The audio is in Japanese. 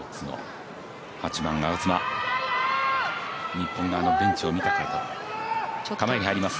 日本側のベンチを見ました構えに入ります。